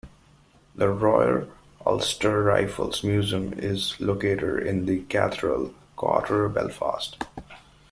The Royal Ulster Rifles Museum is located in the Cathedral Quarter, Belfast.